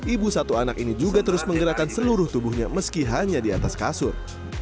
ibu satu anak ini juga terus menggerakkan seluruh tubuhnya meski hanya di atas kasur